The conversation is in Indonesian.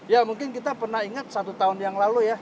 ya mungkin kita pernah ingat satu tahun yang lalu ya